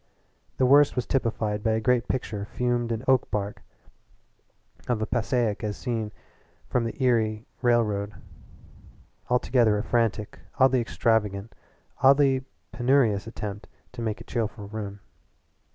The worst was typified by a great picture framed in oak bark of Passaic as seen from the Erie Railroad altogether a frantic, oddly extravagant, oddly penurious attempt to make a cheerful room.